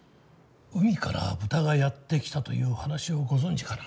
「海から豚がやってきた」という話をご存じかな？